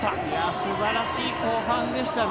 素晴らしい後半でしたね。